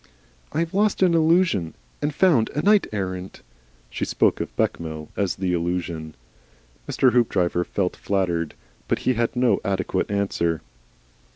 "I have lost an Illusion and found a Knight errant." She spoke of Bechamel as the Illusion. Mr. Hoopdriver felt flattered. But he had no adequate answer.